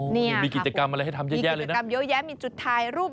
นี่มีกิจกรรมอะไรให้ทำเยอะแยะเลยกิจกรรมเยอะแยะมีจุดถ่ายรูป